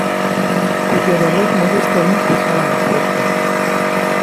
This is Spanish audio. Cuyo dolor modesto no acusaba a la suerte.